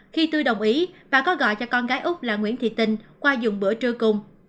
khi tôi đồng ý bà có gọi cho con gái úc là nguyễn thị tình qua dùng bữa trưa cùng